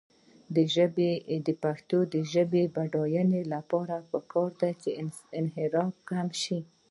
د پښتو ژبې د بډاینې لپاره پکار ده چې انحراف کم شي.